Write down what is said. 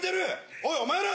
おいお前ら！